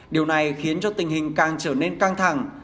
điều này khiến cho tình hình càng trở nên căng thẳng